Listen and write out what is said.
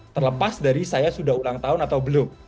terlepas dari saya sudah ulang tahun atau belum